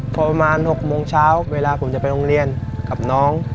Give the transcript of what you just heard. พอประมาณ๖โมงเช้าเวลาผมจะไปโรงเรียนกับน้อง